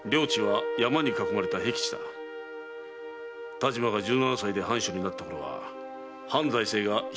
但馬が十七歳で藩主になったころは藩財政がひっ迫していた。